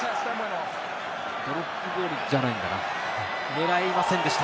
ドロップボールじゃないんだ。